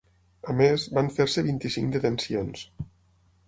A més, van fer-se vint-i-cinc detencions.